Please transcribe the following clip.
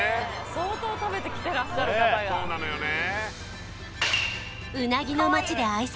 相当食べてきてらっしゃる方がそうなのよね